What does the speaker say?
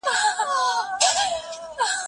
ته ولي مېوې وچوې؟